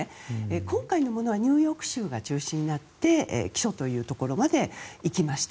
今回のものはニューヨーク州が中心になって起訴というところまで行きました。